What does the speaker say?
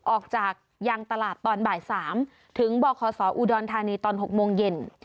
ออกจากยางตลาดตอนบ่าย๓ถึงบคศอุดรธานีตอน๖โมงเย็น